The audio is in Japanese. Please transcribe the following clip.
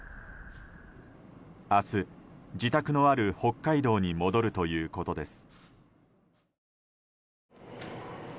明日、自宅のある北海道に戻るということです。